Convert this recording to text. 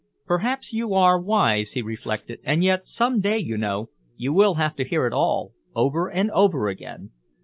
"Perhaps you are wise," he reflected, "and yet some day, you know, you will have to hear it all, over and over again."